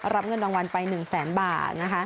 รับเงินรางวัลไป๑แสนบาท